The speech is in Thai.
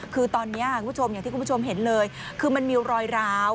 คือตอนนี้คุณผู้ชมอย่างที่คุณผู้ชมเห็นเลยคือมันมีรอยร้าว